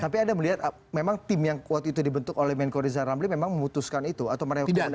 tapi ada melihat memang tim yang kuat itu dibentuk oleh mengko rizal ramli memang memutuskan itu atau merekomendasikan itu